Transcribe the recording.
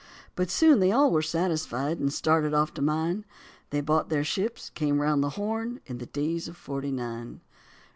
But soon they all were satisfied and started off to mine; They bought their ships, came round the Horn, in the days of forty nine.